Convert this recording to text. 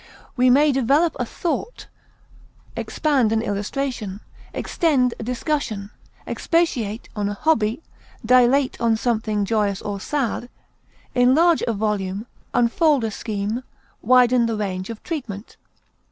We may develop a thought, expand an illustration, extend a discussion, expatiate on a hobby, dilate on something joyous or sad, enlarge a volume, unfold a scheme, widen the range of treatment.